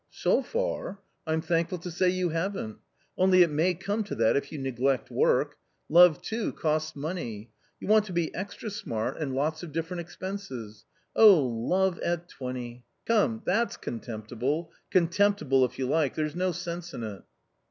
" So far, I'm thankful to say you haven't, only it may come to that if you neglect work ; love too costs money ; you want to be extra smart and lots of different expenses. Oh, love at twenty ! Come that's contemptible, contemptible if you like ! There's no sense in it."